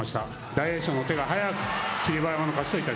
大栄翔の手が早く、霧馬山の勝ち